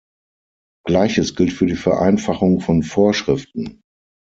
Gleiches gilt für die Vereinfachung von Vorschriften.